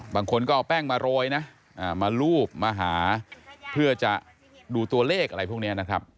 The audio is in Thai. บางคนก็เอาแป้งมาโรยนะมาลูบมาหาเพื่อจะดูตัวเลขอะไรพวกนี้นะครับ